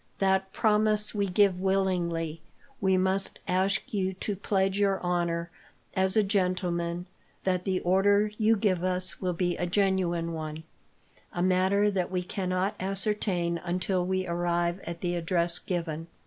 "That promise we give willingly. We must ask you to pledge your honour, as a gentleman, that the order you give us will be a genuine one a matter that we cannot ascertain until we arrive at the address given.